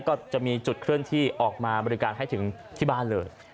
ก็จะมีจุดเคลื่อนที่ออกมาบริการให้ถึงที่บ้านเลย